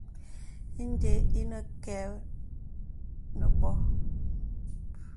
Inde enə və kə̀ nə bô.